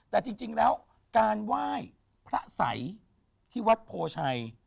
แต่จริงแล้วการไหว้พระสัยที่วัดโพชัย